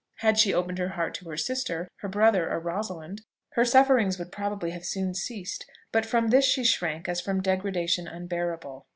Had she opened her heart to her sister, her brother, or Rosalind, her sufferings would probably have soon ceased; but from this she shrank as from degradation unbearable.